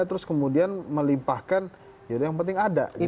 terus kemudian melimpahkan yang penting ada gitu